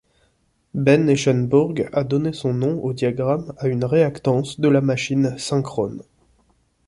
Behn-Eschenburg a donné son nom au diagramme à une réactance de la machine synchrone.